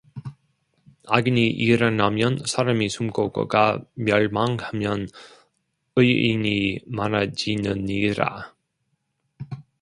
악인이 일어나면 사람이 숨고 그가 멸망하면 의인이 많아지느니라